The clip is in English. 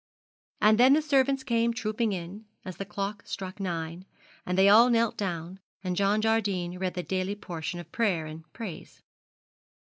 And then the servants came trooping in, as the clock struck nine, and they all knelt down, and John Jardine read the daily portion of prayer and praise.